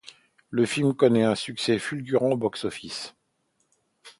Le film connaît un succès fulgurant au box-office.